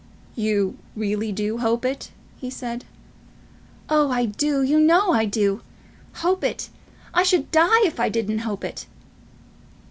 "You really do hope it?" he said. "Oh, I do; you know I do. Hope it! I should die if I didn't hope it."